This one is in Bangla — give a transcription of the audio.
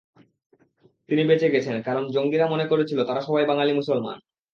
তিনি বেঁচে গেছেন, কারণ জঙ্গিরা মনে করেছিল তারা সবাই বাঙালি মুসলমান।